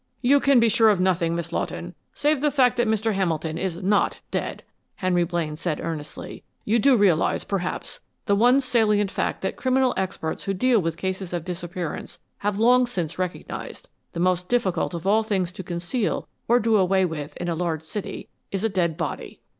"You can be sure of nothing, Miss Lawton, save the fact that Mr. Hamilton is not dead," Henry Blaine said earnestly. "You do not realize, perhaps, the one salient fact that criminal experts who deal with cases of disappearance have long since recognized the most difficult of all things to conceal or do away with in a large city is a dead body."